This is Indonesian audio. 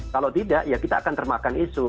kalau tidak ya kita akan termakan isu